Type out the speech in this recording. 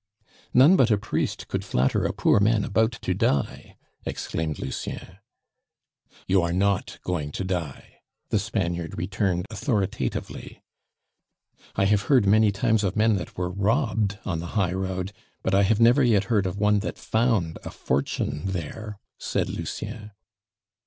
"None but a priest could flatter a poor man about to die," exclaimed Lucien. "You are not going to die," the Spaniard returned authoritatively. "I have heard many times of men that were robbed on the highroad, but I have never yet heard of one that found a fortune there," said Lucien.